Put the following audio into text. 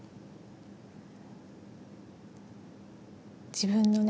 自分のね